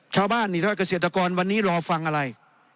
ชาวบ้านนี่ถ้าเกษตรกรวันนี้รอฟังอะไร